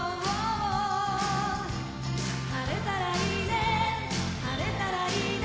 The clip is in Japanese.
「晴れたらいいね晴れたらいいね」